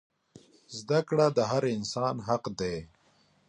زده کړه د هر انسان حق دی.